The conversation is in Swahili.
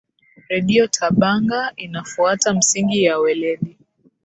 redio tabanga inafuata misingi ya weledi